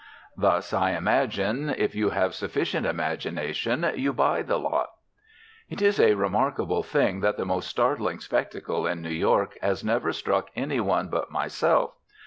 Thus, I imagine, if you have sufficient imagination you buy the lot. It is a remarkable thing that the most startling spectacle in New York has never struck any one but myself.